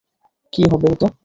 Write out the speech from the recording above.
কী হবে এতে?